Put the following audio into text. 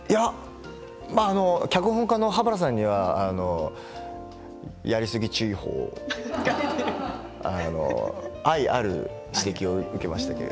脚本家の羽原さんにはやりすぎ注意報を愛ある指摘を受けました。